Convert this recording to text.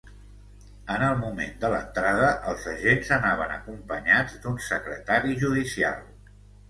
En el moment de l’entrada, els agents anaven acompanyats d’un secretari judicial.